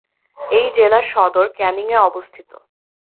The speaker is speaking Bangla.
এই জেলার সদর ক্যানিং-এ অবস্থিত।